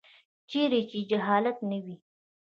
چیرې چې جهالت نه وي.